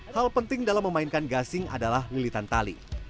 hal penting dalam memainkan gasing adalah lilitan tali